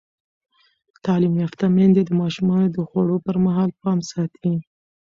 تعلیم یافته میندې د ماشومانو د خوړو پر مهال پام ساتي.